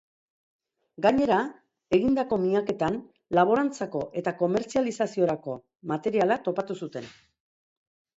Gainera, egindako miaketan laborantzako eta komertzializaziorako materiala topatu zuten.